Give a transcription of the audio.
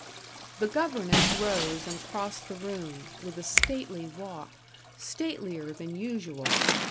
The governess rose and crossed the room, with a stately walk statelier than usual.